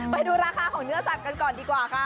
ไปดูราคาของเนื้อสัตว์กันก่อนดีกว่าค่ะ